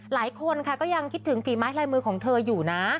หลายคนค่ะก็ยังคิดถึงฝีไม้ลายมือของเธออยู่นะ